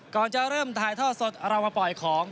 ก่อนจะเริ่มถ่ายทอดสดเรามาปล่อยของ